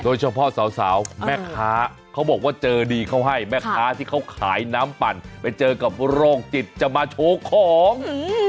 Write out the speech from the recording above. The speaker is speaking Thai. โดยเฉพาะสาวแม่ค้าเขาบอกว่าเจอดีเขาให้แม่ค้าที่เขาขายน้ำปั่นไปเจอกับโรคจิตจะมาโชว์ของ